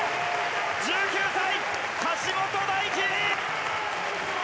１９歳、橋本大輝！